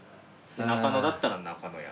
中野だったら中野家。